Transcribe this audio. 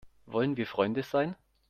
Wollen wir Freunde sein?